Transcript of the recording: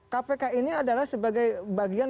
kpk ini adalah sebagai bagian